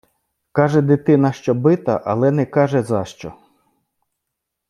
Каже дитина, що бита, але не каже, за що.